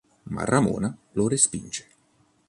Ma Ramona lo respinge.